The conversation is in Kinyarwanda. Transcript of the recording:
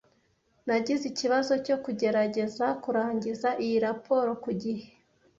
Nagize ikibazo cyo kugerageza kurangiza iyi raporo ku gihe.